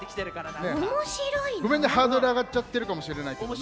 ごめんねハードルあがっちゃってるかもしれないけどね。